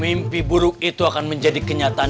mimpi buruk itu akan menjadi kenyataan